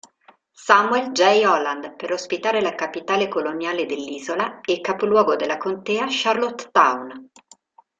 Samuel J. Holland per ospitare la capitale coloniale dell'isola e capoluogo della contea Charlottetown.